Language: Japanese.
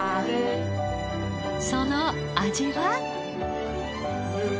その味は？